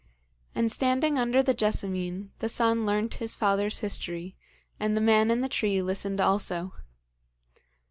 And standing under the jessamine, the son learnt his father's history, and the man in the tree listened also.